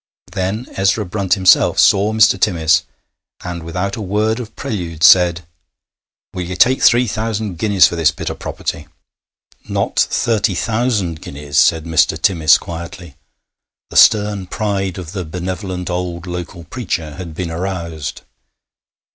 Then Ezra Brunt himself saw Mr. Timmis, and without a word of prelude said: 'Will ye take three thousand guineas for this bit o' property?' 'Not thirty thousand guineas,' said Mr. Timmis quietly; the stern pride of the benevolent old local preacher had been aroused.